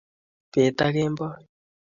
bet ak kemboi